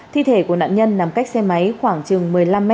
thi thể của nạn nhân nằm cách xe máy khoảng chừng một mươi năm m